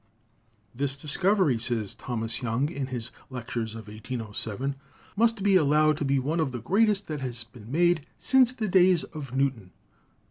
"This discovery," says Thomas Young in his 'Lectures' of 1807, "must be allowed to be one of the greatest that has been made since the days of Newton."